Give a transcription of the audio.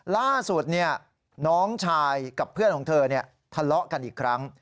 ล่าสุดน้องชายกับเพื่อนของเธอทะเลาะกันอีกครั้ง